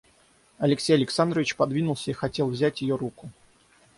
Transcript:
Алексей Александрович подвинулся и хотел взять ее руку.